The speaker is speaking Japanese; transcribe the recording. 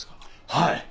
はい。